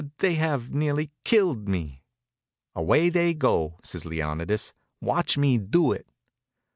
They have nearly killed me." "Away they go," says Leonidas. "Watch me do it."